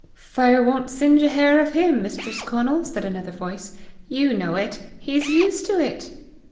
"Fire won't singe a hair of him, Mistress Conal," said another voice. "You know it; he's used to it!"